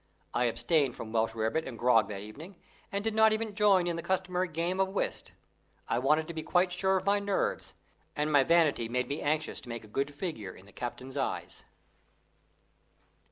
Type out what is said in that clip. I abstained from Welsh rarebits and grog that evening, and did not even join in the customary game of whist. I wanted to be quite sure of my nerves, and my vanity made me anxious to make a good figure in the captain's eyes.